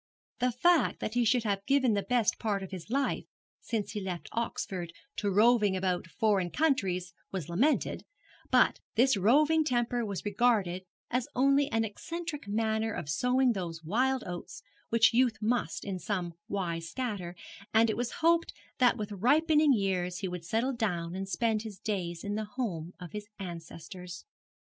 The fact that he should have given the best part of his life since he left Oxford to roving about foreign countries was lamented; but this roving temper was regarded as only an eccentric manner of sowing those wild oats which youth must in some wise scatter; and it was hoped that with ripening years he would settle down and spend his days in the home of his ancestors.